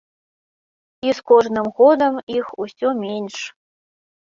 І з кожным годам іх усё менш.